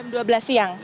jam dua belas siang